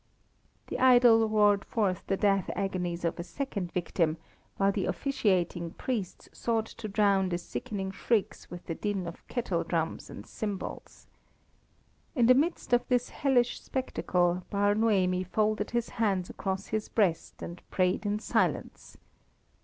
The idol roared forth the death agonies of a second victim, while the officiating priests sought to drown the sickening shrieks with the din of kettledrums and cymbals. In the midst of this hellish spectacle, Bar Noemi folded his hands across his breast and prayed in silence.